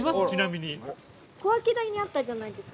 ◆小涌谷あったじゃないですか